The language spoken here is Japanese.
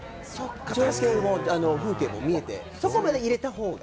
風景が見えて、そこまで入れた方が。